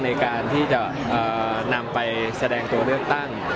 ในการที่จะนำไปแสดงตัวเลือกตั้ง